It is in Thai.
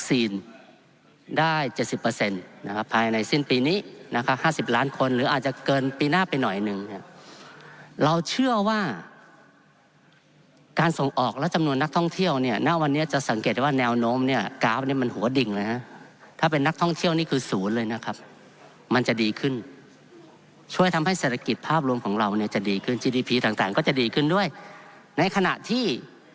ปีหน้าไปหน่อยหนึ่งนะครับเราเชื่อว่าการส่งออกแล้วจำนวนนักท่องเที่ยวเนี้ยหน้าวันนี้จะสังเกตได้ว่าแนวโน้มเนี้ยกราฟเนี้ยมันหัวดิ่งเลยฮะถ้าเป็นนักท่องเที่ยวนี่คือศูนย์เลยนะครับมันจะดีขึ้นช่วยทำให้เศรษฐกิจภาพรวมของเราเนี้ยจะดีขึ้นจีดีพีต่างต่างก็จะดีขึ้นด้วยในขณะที่